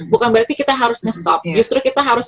bukan berarti kita harus nge stop justru kita harus